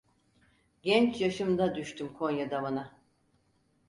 Genç yaşımda düştüm Konya damına.